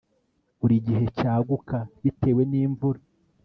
Buri gihe cyaguka bitewe nimvura